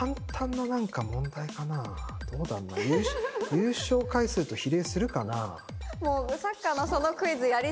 優勝回数と比例するかな？